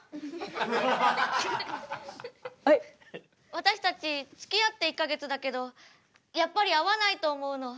私たちつきあって１か月だけどやっぱり合わないと思うの。